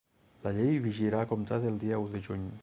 La llei vigirà a comptar del dia u de juny.